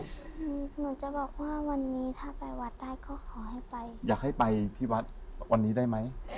พาคุณคุณคุณแม่ไปที่วัดเขาอาจจะตายเร็วเร็วนี้ก็ได้